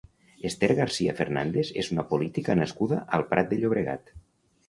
Esther García Fernández és una política nascuda al Prat de Llobregat.